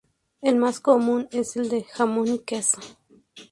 El más común es el de jamón y queso.